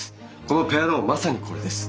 このペアローンまさにこれです。